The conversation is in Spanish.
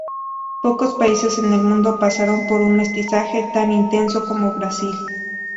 Pocos países en el mundo pasaron por un mestizaje tan intenso como Brasil.